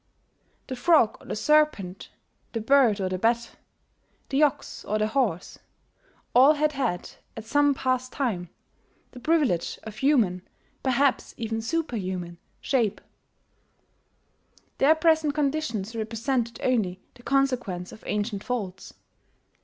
The frog or the serpent, the bird or the bat, the ox or the horse, all had had, at some past time, the privilege of human (perhaps even superhuman) shape: their present conditions represented only the consequence of ancient faults.